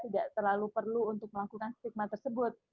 tidak terlalu perlu untuk melakukan stigma tersebut